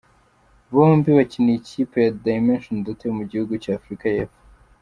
Bombi bakinira ikipe ya Dimension Data yo mu gihugu cya Afurika y'Epfo.